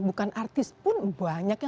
bukan artis pun banyak yang